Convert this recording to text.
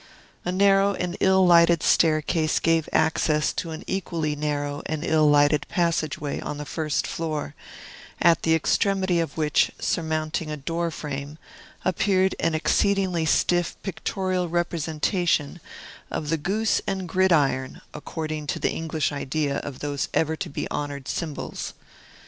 A narrow and ill lighted staircase gave access to an equally narrow and ill lighted passageway on the first floor, at the extremity of which, surmounting a door frame, appeared an exceedingly stiff pictorial representation of the Goose and Gridiron, according to the English idea of those ever to be honored symbols.